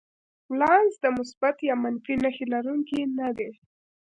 ولانس د مثبت یا منفي نښې لرونکی نه دی.